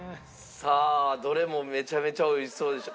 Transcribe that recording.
さあどれもめちゃめちゃおいしそうでした。